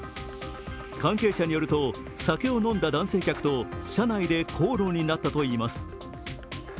関係者によると酒を飲んだ男性客と車内で口論になったといいます。